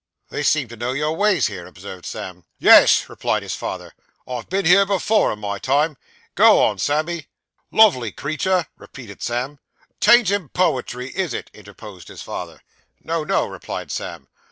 'They seem to know your ways here,' observed Sam. 'Yes,' replied his father, 'I've been here before, in my time. Go on, Sammy.' '"Lovely creetur,"' repeated Sam. ''Tain't in poetry, is it?' interposed his father. 'No, no,' replied Sam.